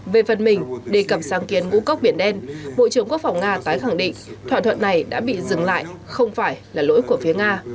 về phần mình đề cập sáng kiến ngũ cốc biển đen bộ trưởng quốc phòng nga tái khẳng định thỏa thuận này đã bị dừng lại không phải là lỗi của phía nga